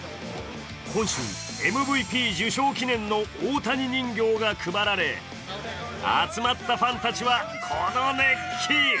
今週、ＭＶＰ受賞記念の大谷人形が配られ集まったファンたちは、この熱気。